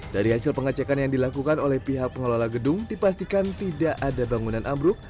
dari hasil pengecekan yang dilakukan oleh pihak pengelola gedung dipastikan tidak ada bangunan ambruk